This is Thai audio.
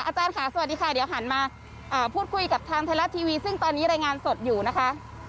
อาจารย์ค่ะสวัสดีค่ะเดี๋ยวหันมาพูดคุยกับทางไทยรัฐทีวีซึ่งตอนนี้รายงานสดอยู่นะคะ